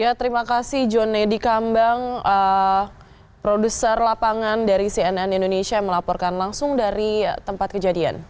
ya terima kasih john nedi kambang produser lapangan dari cnn indonesia melaporkan langsung dari tempat kejadian